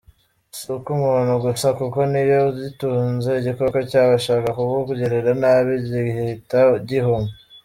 Si ku muntu gusa kuko n’iyo uyitunze igikoko cyabashaga kukugirira nabi gihita gihuma.